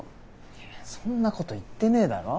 いやそんな事言ってねえだろ？